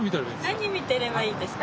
何見てればいいですか？